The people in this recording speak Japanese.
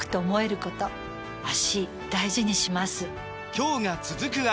今日が、続く脚。